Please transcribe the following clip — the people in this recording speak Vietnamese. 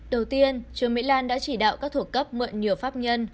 đầu tiên trương mỹ lan đã chỉ đạo các thuộc cấp mượn nhiều pháp nhân